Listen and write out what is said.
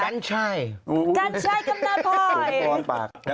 กันชัยกำนาบภัย